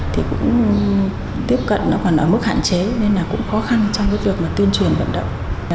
thì cũng tiếp cận nó còn ở mức hạn chế nên là cũng khó khăn trong cái việc mà tuyên truyền vận động